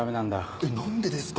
えっ何でですか？